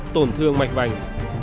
tổn thương mạch vành